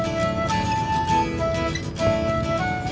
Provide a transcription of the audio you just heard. aku mau pergi